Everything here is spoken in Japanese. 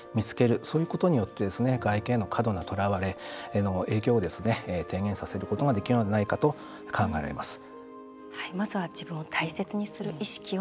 そういうことによって外見への過度なとらわれへの影響を低減させることができるのではないかと考えられます。